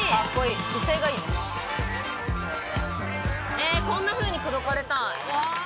こんなふうに口説かれたい。